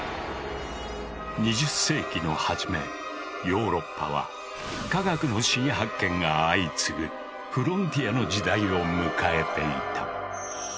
ヨーロッパは科学の新発見が相次ぐフロンティアの時代を迎えていた。